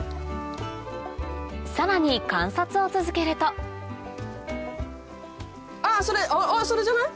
さらに観察を続けるとあっそれじゃない？